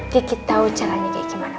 kiki tahu caranya kayak gimana